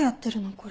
これ。